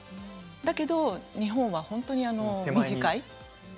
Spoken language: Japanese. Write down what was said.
だけど日本は本当に短い。